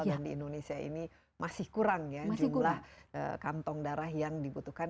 dan di indonesia ini masih kurang ya jumlah kantong darah yang dibutuhkan